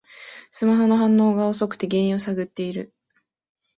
スマホの反応が遅くて原因を探ってる